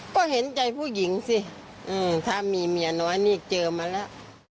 ก็เห็นใจผู้หญิงสิถ้ามีเมียน้อยนี่เจอมาแล้ว